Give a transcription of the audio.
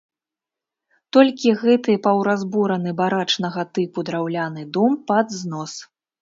Толькі гэты паўразбураны барачнага тыпу драўляны дом пад знос.